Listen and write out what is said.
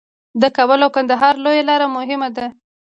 د کابل او کندهار لویه لار مهمه ده